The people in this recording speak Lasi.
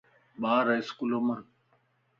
ٻارا اسڪول ام ان